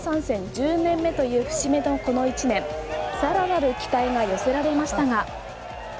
１０年目という節目のこの１年更なる期待が寄せられましたが。